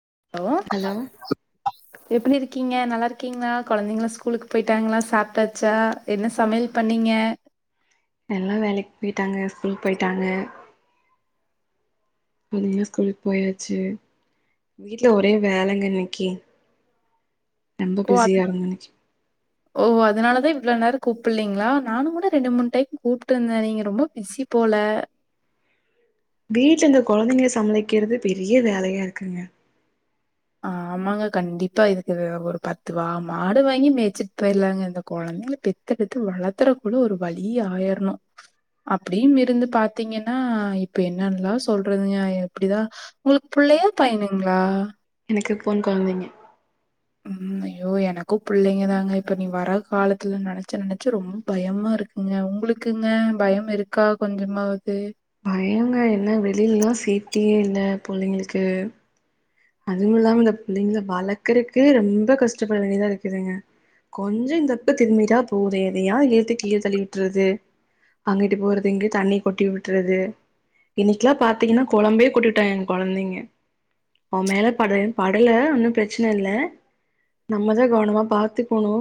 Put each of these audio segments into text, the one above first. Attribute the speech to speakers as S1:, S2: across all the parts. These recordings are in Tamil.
S1: [inaudible] எப்டி
S2: ஹலோ
S1: இருக் இருக்கீங்க நல்லா இருக்கீங்களா குழந்தைங்கள ஸ்கூலுக்கு போயிட்டாங்களா சாப்பிட்டாச்சா என்ன சமையல் பண்ணீங்க
S2: எல்லா வேலைக்கு போயிட்டாங்க ஸ்கூல் போயிட்டாங்க அவுங்க ஸ்கூலுக்கு போயாச்சி வீட்டுல ஒரே வேலங்க இன்னைக்கி
S1: ஓ அதனால ஓ அதனாலதா இவ்ளோ நேரோ கூப்பிட்லீங்களா நானும் கூட ரெண்டு மூணு டைம் கூப்டே இருந்தே நீங்க ரொம்ப பிஸி போல
S2: வீட்டுல இந்த குழந்தைங்கள சமளிக்கறதே பெரிய வேலையா இருக்குங்க
S1: ஆமாங்க கண்டிப்பா இதுக்கு ஒரு பத்து வா மாடு வாங்கி மேய்ச்சுட்டு போயிட்லாங்க இந்த கொழந்தைங்கல பெத்துகித்து வளத்தற குள்ளோ ஒரு வழி ஆயிரணு அப்டின் இருந்து பாத்தீங்கன்னா இப்ப என்னென்னல்லா சொல்றதுங்க எப்டிதா உங்களுக்கு புள்ளையா பயனுங்களா
S2: எனக்கு பொண் கொழந்தைங்க
S1: உம் ஐயோ எனக்கும் புள்ளைங்கதாங்க இப்ப நீ வர காலத்துல நெனைச்ச நெனைச்சு ரொம்ப பயமா இருக்குங்க உங்களுக்குங்க பயம் இருக்கா கொஞ்சமாவது
S2: பயங்க என்ன வெளிய எல்லா சேஃப்ட்டியே இல்ல புள்ளைங்களுக்கு அதுவும் இல்லாம இந்த பிள்ளைங்கள வளக்கறக்கு ரொம்ப கஷ்டப்பட வேண்டியதா இருக்குதுங்க கொஞ்சோ இந்தப்பக்கோ திரும்பிட்டா போதோ எதையா எத்து கீழ தள்ளி விட்றது அங்கிட்டு போறது இங்க தண்ணி கொட்டி விட்றது இன்னைக்கெல்லா பாத்தீங்கன்னா கொழம்பையே கொட்டி விட்டா எங்க கொழந்தைங்க அவே மேல பட்டயே படல ஒன்னும் பிரச்சன இல்ல நம்மதா கவனமா பாத்துக்கணு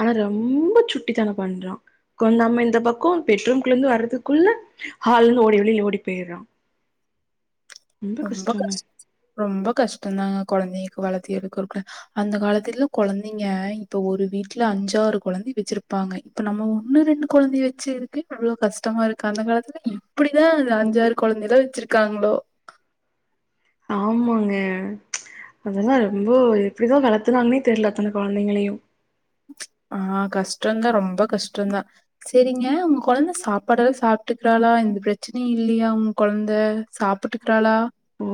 S2: ஆனா ரொம்ப சுட்டித்தானே பண்றான் கொஞ் நம்ம இந்த பக்கோ பெட்ரூம்கள்ள இருந்து வர்றதுக்குள்ள ஹால்ல இருந்த ஓடி வெளியில ஓடி போயிட்றா
S1: ரொம்ப கஷ் ரொம்ப கஷ்டம்தாங்க கொழந்தைங்க வளத்திஎடுக்கர்குள்ள அந்த காலத்துலல்லா கொழந்தைங்க இப்ப ஒரு வீட்டுல அஞ்சாறு கொழந்த வெச்சிருப்பாங்க இப்ப நம்ம ஒன்னு ரெண்டு கொழந்தைய வெச்சிருக்கவே அவ்ளோ கஷ்டமா இருக்கு அந்த காலத்துல எப்டிதா இந்த அஞ்சாறு கொழந்த எல்லா வெச்சிருக்காங்களோ
S2: ஆமாங்க அதெல்லா ரொம்ப எப்டிதா வளத்துனாங்கன்னே தெரியல அத்தனை கொழந்தைங்களையு
S1: ஆஹ் கஷ்டோதா ரொம்ப கஷ்டோதா செரிங்க உங்க கொழந்த சாப்பாடெல்லா சாப்ட்டுக்கிறாளா எந்த பிரச்சனையு இல்லையா உங்க கொழந்த சாப்ட்டுக்கிறாளா
S2: ஓ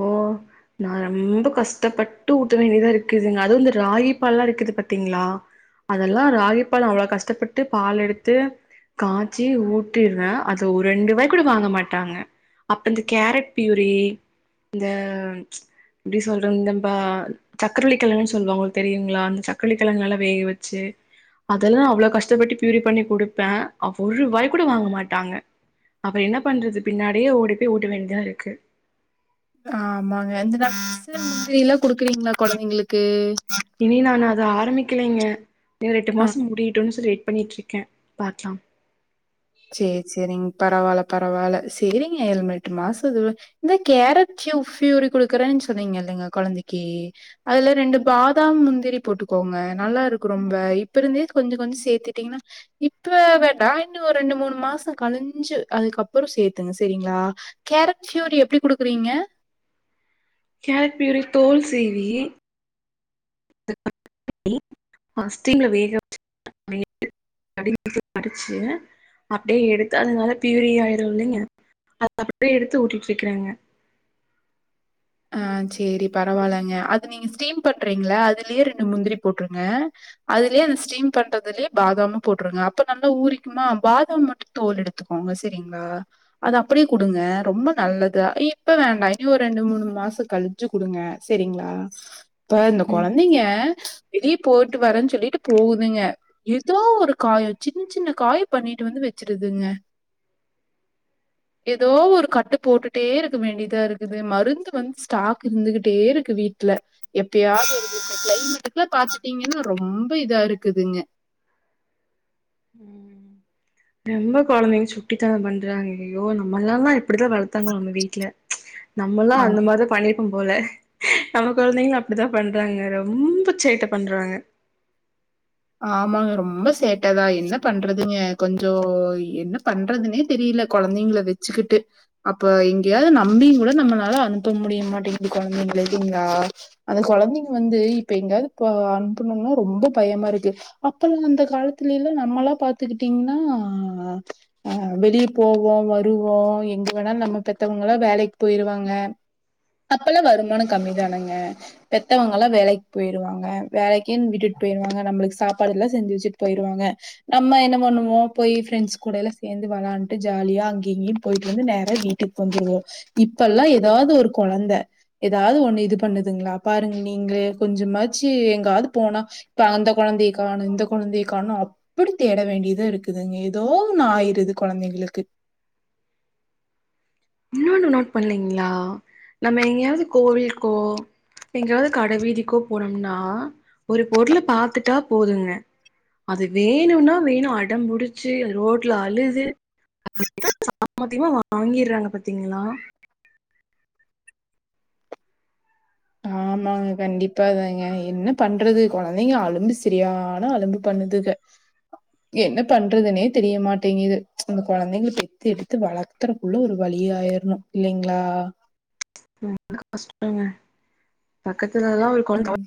S2: நா ரொம்ப கஷ்டப்பட்டு ஊட்ட வேண்டியதா இருக்குதுங்க அதுவு வந்து ராகி பால்லா இருக்குது பாத்தீங்களா அதெல்லா ராகி பால் அவ்ளோ கஷ்டப்பட்டு பால் எடுத்து காய்ச்சி ஊட்டிட்றே அத ஒரு ரெண்டு வாய் கூட வாங்க மாட்டாங்க அப்ப இந்த கேரட் பியூரி இந்த எப்டி சொல்ற இந்தம்ப சக்கரவள்ளிக்கெழங்குன்னு சொல்லுவாங்க உங்களுக்கு தெரியுங்களா அந்த சக்கரவள்ளிக்கெழங்கு நல்லா வேக வெச்சு அதெல்லா அவ்ளோ கஷ்டப்பட்டு ப்யூரி பண்ணி கொடுப்பே அவ்வ ஒருவாய் கூட வாங்க மாட்டாங்க அப்புறோ என்ன பண்றது பின்னாடியே ஓடி போய் ஊட்ட வேண்டியதா இருக்கு
S1: ஆ ஆமாங்க இந்த நட்ஸ்சு முந்திரில்லா குடுக்குறீங்களா கொழந்தைங்களுக்கு
S2: இனி நான் அத ஆரம்பிக்கலைங்க இன்னு ஒரு எட்டு மாசோ முடியிட்டோம்னு சொல்லி பண்ணிட்டு இருக்கே பாக்கலாம்
S1: சரி சரிங்க பரவால்ல பரவால்ல சரிங்க எழுமெட்டு மாசம் இது இந்த கேரட்டியு ஃபியூரி குடுக்குறேன்னு சொன்னீங்க இல்லைங்க கொழந்தைக்கு அதுல ரெண்டு பாதாம் முந்திரி போட்டுக்கோங்க நல்லா இருக்கு ரொம்ப இப்ப இருந்தே கொஞ்ச கொஞ்சொ சேத்துட்டீங்ன்னா இப்ப வ நா என்னப் ஒரு ரெண்டு மூணு மாசம் கழிஞ்சு அதுக்கப்பறொ சேர்த்துங்க சரிங்களா கேரட் ஃப்யூரி எப்டி குடுக்குறீங்க
S2: கேரட் ஃபியூரி தோல் சீவி [inaudible] ஸ்டீம்ல வேக வச்சு [inaudible] அப்படியே எடுத்து அது நல்ல பியூரியாயிரு இல்லைங்க அத அப்படியே எடுத்து ஊட்டிட்டு இருக்கிறங்க
S1: ஆஹ் சரி பரவால்லைங்க அது நீங்க ஸ்டீம் பண்றீங்களா அதுலயே ரெண்டு முந்திரி போட்ருங்க அதுலயே அந்த ஸ்டீம் பண்றதுலயே பாதாமு போட்டுருங்க அப்ப நல்லா ஊரிக்குமா பாதாம் மட்டும் தோல் எடுத்துக்கோங்க சரிங்களா அது அப்படியே குடுங்க ரொம்ப நல்லது இப்ப வேண்டா இனும் ஒரு ரெண்டு மூணு மாசொ கழிச்சு குடுங்க சரிங்களா ப்ப இந்த
S2: ம்
S1: கொழந்தைங்க வெளிய போயிட்டு வரேன்னு சொல்லிட்டு போகுதுங்க எதோ ஒரு காயம் சின்ன சின்ன காயம் பண்ணிட்டு வந்து வச்சிருதுங்க எதோ ஒரு கட்டு போட்டுட்டே இருக்க வேண்டியதா இருக்குது மருந்து வந்து ஸ்டாக் இருந்துகிட்டே இருக்கு வீட்டுல எப்பயாவது [inaudible] கிளைமேட்டுக்குல பாத்துட்டீங்கன்னா ரொம்ப இதா இருக்குதுங்க
S2: ரொம்ப கெழந்திங்க சுட்டித்தானம் பண்றாங்க ஐயோ நம்ம எல்லா தா எப்பிடித்தா வளர்த்தாங்களோ நம்ம வீட்ல நம்மளா
S1: ஆ
S2: அந்த மாரி தா பண்ணி க்கும் போல நம்ம கெழந்தைங்களு அப்டித்தா பண்றாங்க ரொம்ப சேட்ட பண்றாங்க
S1: ஆமாங்க ரொம்ப சேட்டதா என்ன பண்றதுங்க கொஞ்சோ என்ன பண்றதுனே தெரில கெழந்திங்கள வெச்சுக்கிட்டு அப்ப எங்கேயாவது நம்பி கூட நம்பளால அனுப்ப முடியமாட்டேங்குது கெழந்திங்கள இல்லிங்களா அந்த கெழந்திங்க வந்து இப்ப எங்காவது அனுப்பனும்னா ரொம்ப பயமா இருக்கு த்து அப்பெல்லா அந்த காலத்தில்லா நம்மெல்லா பாத்துக்கிட்டீங்கின்னா ஹா ஹ வெளிய போவே வருவோ எங்கு வேணாலு நம்மள பெத்தவங்குல்லா வேலைக் போயிருவாங்க அப்பெல்லா வருமானம் கம்மிதானுங்க பெத்தவங்குல்லா வேலைக் போயிருவாங்க வேலைக்கின் விட்டுட்டு போயிடுவாங்க நம்புளுக் சாப்பாடுல்லா செஞ்சு வெச்சுட்டு போயிருவாங்க நம்ம என்ன பண்ணுவோ போய் ப்ரெண்ட்ஸ் கூட எல்லா சேந்து வெளாண்ட்டு ஜாலியா அங்கி இங்கினு போயிட்டு வந்து நேர வீட்டுக்கு வந்துருவோ இப்ப எல்லா எதாவது ஒர் கொழந்த எதாவது ஒண்ணு இது பண்ணுதுங்குளா பாருங் நீங்குளே கொஞ்சமாச்சு எங்காவது போனா இப்ப அந்த கொழந்திய காணோ இந்த கொழந்திய காணோ அப்புடி தேட வேண்டியதா இருக்குதுங்க எதோ ஒன்னு ஆயிருது கொழந்திங்களுக்கு
S2: இன்னொன்னு நோட் பண்ணிங்கிளா நம்ம எங்கியாவது கோவில்கோ எங்கியாவது கடவீதிக்கோ போனோம்னா ஒரு பொருள் பாத்துட்டா போதுங்க அது வேணும்னா வேணு அடம்புடிச்சு ரோட்ல அழுது சாமத்தியமா வாங்கிறாங்க பாத்தீங்களா
S1: ஆமாங்க கண்டிப்பாதாங்க என்ன பண்றது கொழந்திங்கள அலும்பு செரியான அலும்பு பண்ணுதுக என்ன பண்றதுனே தெரியமாட்டேங்கிது அந்த கொழந்திங்கள பெத்து எடுத்து வளர்க்கறக்குள்ள ஒரு வழிய ஆயிரணு இல்லிங்களா
S2: ம் ரெம்ப கஷ்டோங்க பக்கத் [unintelligible] [unintelligible]
S1: ம்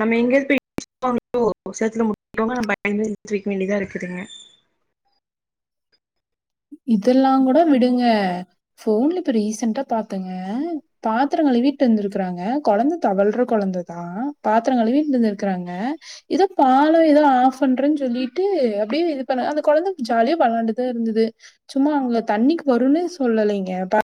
S2: நம்ம எங்கியாது போயி இடிச்சுக்குவாங்களோ செவுத்துல முட்டிக்குவாங்களோ பயந்து எந்திரிக்க வேண்டியதா இருக்குதுங்க
S1: இதெல்லாங்கூட விடுங்க போன்ல இப்ப ரீசன்ட்டா பாத்தேங்க பாத்தரோ கழுவிட்டு இருந்திருக்கறாங்க கொழந்த தவழ்ற கொழந்ததா பாத்திரம் கழுவிட் நின்னுருக்குறாங்க எதா பாலோ எதோ ஆஃப் பண்றனு சொல்லிட்டு அப்டியே இது பண்ணாங் அந்த கொழந்த ஜாலியா விளாண்டுதா இருந்தது சும்மா அவுங்க தண்ணிக்கு வருன்னே சொல்லலீங்க பா